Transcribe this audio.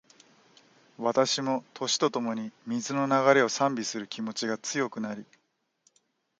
私も、年とともに、水の流れを賛美する気持ちが強くなり